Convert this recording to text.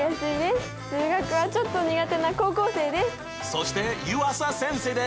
そして湯浅先生です！